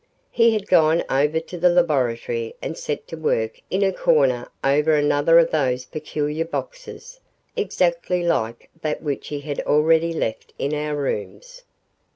He had gone over to the laboratory and set to work in a corner over another of those peculiar boxes, exactly like that which he had already left in our rooms.